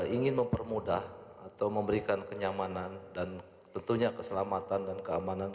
ingin mempermudah atau memberikan kenyamanan dan tentunya keselamatan dan keamanan